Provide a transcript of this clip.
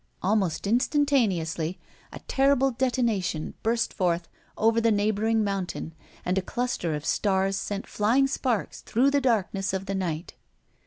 Almost instantaneously a terrible detonation burst forth over the neighboring mountain, and a cluster of stars sent flying sparks through the darkness of the night.